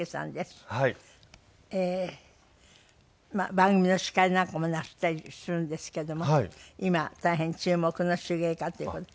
番組の司会なんかもなすったりするんですけども今大変注目の手芸家という事で。